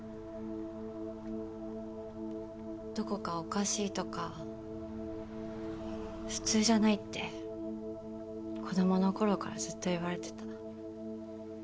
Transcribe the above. どこかおかしいとか普通じゃないって子供の頃からずっと言われてた。